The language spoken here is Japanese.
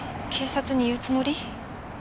警察に言うつもり？